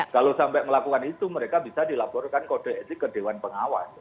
kalau sampai melakukan itu mereka bisa dilaporkan kode etik ke dewan pengawas